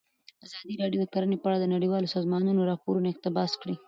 ازادي راډیو د کرهنه په اړه د نړیوالو سازمانونو راپورونه اقتباس کړي.